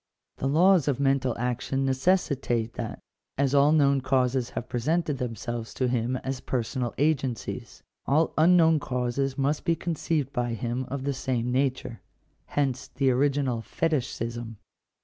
The laws of mental action necessitate that, as all known causes have presented themselves to him as personal agencies, all unknown causes must be con ceived by him of the same nature. Hence the original fetishism.